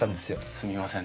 すみません